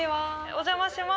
お邪魔します。